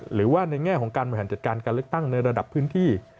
หรือว่าในแง่ของการบริหารจัดการการเลือกตั้งในระดับพื้นที่